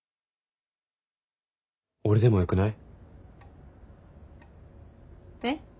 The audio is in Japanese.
俺でもよくない？えっ？